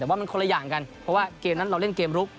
แต่ว่ามันคนละอย่างกันเพราะว่าเกมนั้นเราเล่นเกมลุก